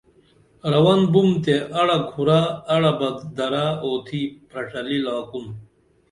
رون بُم تے اڑہ کُھرہ اڑہ بہ درہ اُوتھی پرڇھلی لاکُن